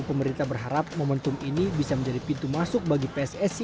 pemerintah berharap momentum ini bisa menjadi pintu masuk bagi pssi